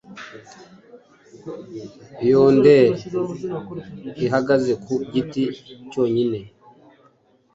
Yonderi ihagaze ku giti cyonyine,